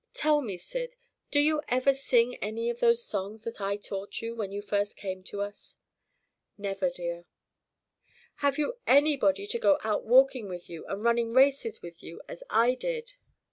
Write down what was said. Tell me, Syd, do you ever sing any of those songs that I taught you, when you first came to us?" "Never, dear!" "Have you anybody to go out walking with you and running races with you, as I did?"